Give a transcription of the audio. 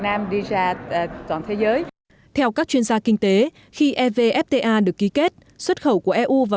nam đi ra toàn thế giới theo các chuyên gia kinh tế khi evfta được ký kết xuất khẩu của eu vào